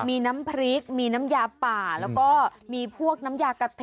มีน้ำพริกมีน้ำยาป่าแล้วก็มีพวกน้ำยากะทิ